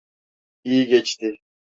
İyi geçti.